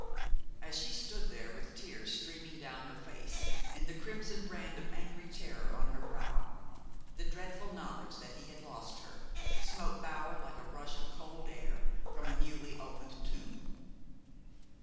As she stood there, with tears streaming down her face and the crimson brand of angry terror on her brow, the dreadful knowledge that he had lost her smote Bower like a rush of cold air from a newly opened tomb.